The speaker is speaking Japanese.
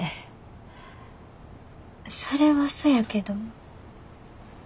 それはそやけど。